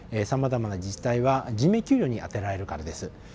さまざまな自治体は人命救助に充てられるからです。